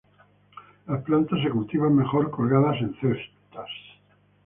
Las plantas se cultivan mejor colgadas en cestas.